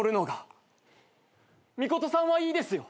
ミコトさんはいいですよ。